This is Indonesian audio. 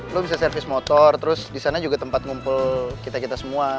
lo bisa service motor terus di sana juga tempat ngumpul kita kita semua